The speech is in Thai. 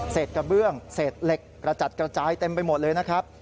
กระเบื้องเศษเหล็กกระจัดกระจายเต็มไปหมดเลยนะครับ